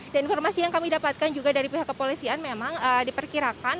dan informasi yang kami dapatkan juga dari pihak kepolisian memang diperkirakan